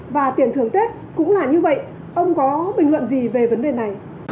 và tiền thưởng tết cũng là như vậy ông có bình luận gì về vấn đề này